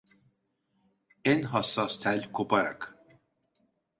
En hassas tel koparak.